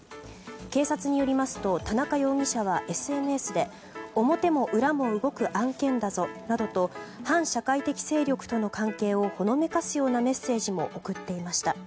警察によりますと田中容疑者はＳＮＳで表も裏も動く案件だぞなどと反社会的勢力との関係をほのめかすようなメッセージも送っていました。